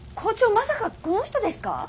まさかこの人ですか？